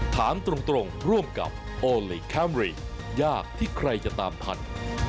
ถามตรงร่วมกับโอลี่คัมรี่ยากที่ใครจะตามทัน